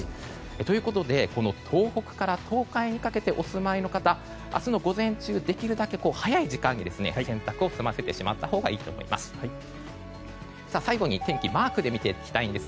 ということで東北から東海にかけてお住まいの方明日午前中できるだけ早い時間に洗濯を済ませたほうがいいと思います。